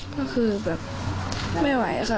ก็คือแบบไม่ไหวค่ะ